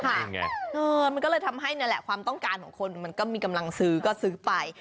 มันก็เลยทำให้นั่นแหละความต้องการของคนมันก็มีกำลังซื้อก็ซื้อไป